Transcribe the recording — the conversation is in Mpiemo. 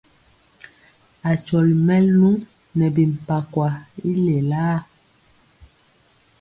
Akyɔli mɛluŋ nɛ bimpakwa i lelaa.